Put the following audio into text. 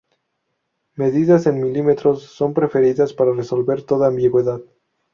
Medidas en mililitros son preferidas para resolver toda ambigüedad.